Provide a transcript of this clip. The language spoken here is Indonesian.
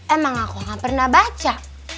emang aku gak pernah baca